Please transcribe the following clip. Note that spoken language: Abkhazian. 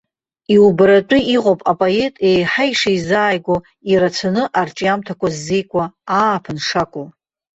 Иубаратәы иҟоуп апоет еиҳа ишизааигәоу, ирацәаны арҿиамҭақәа ззикуа ааԥын шакәу.